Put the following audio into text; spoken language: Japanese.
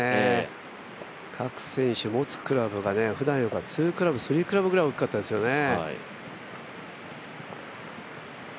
各選手、持つクラブがふだんより２クラブ、３クラブぐらい大きかったですよね。